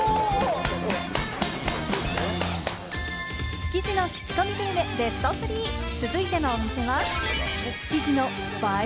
築地の口コミグルメベスト３、続いてのお店は築地の映え